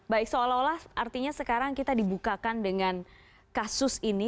baik seolah olah artinya sekarang kita dibukakan dengan kasus ini